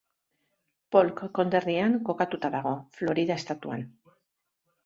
Polk konderrian kokatuta dago, Florida estatuan.